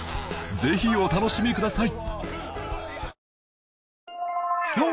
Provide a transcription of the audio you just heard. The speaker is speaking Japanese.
ぜひお楽しみください